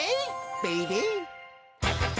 ベイベー。